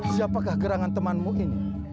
siapakah gerangan temanmu ini